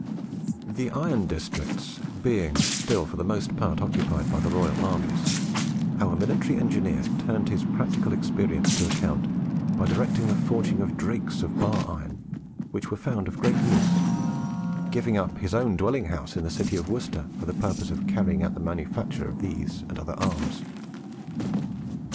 The iron districts being still for the most part occupied by the royal armies, our military engineer turned his practical experience to account by directing the forging of drakes of bar iron, which were found of great use, giving up his own dwelling house in the city of Worcester for the purpose of carrying on the manufacture of these and other arms.